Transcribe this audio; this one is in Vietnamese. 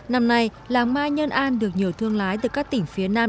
năm nay làng mai nhơn an được nhiều thương lái từ các tỉnh phía nam